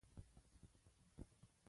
ځانونه یې صالحان معرفي کړي دي.